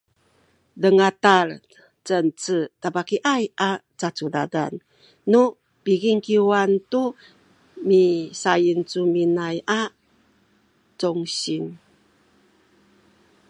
dengtal Cengce tabakiaya a cacudadan nu pikingkiwan tu misayincumincuay a congsin